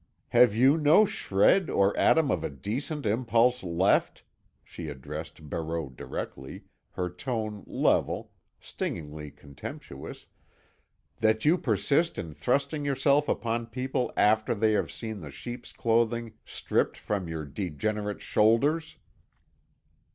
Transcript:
Have you no shred or atom of a decent impulse left"—she addressed Barreau directly, her tone level, stingingly contemptuous—"that you persist in thrusting yourself upon people after they have seen the sheep's clothing stripped from your degenerate shoulders?"